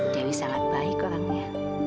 dewi sangat baik orangnya